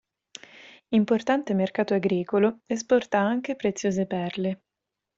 Importante mercato agricolo, esporta anche preziose perle.